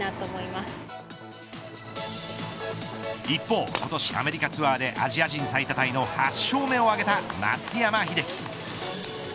一方、今年アメリカツアーでアジア人最多タイの８勝目を挙げた松山英樹。